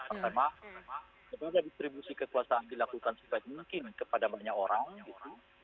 pertama ketika distribusi kekuasaan dilakukan sebaik mungkin kepada banyak orang gitu